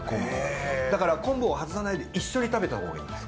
だから昆布を外さないで一緒に食べたほうがいいです。